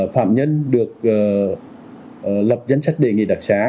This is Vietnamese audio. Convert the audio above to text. phạm nhân được lập danh sách đề nghị đặc xá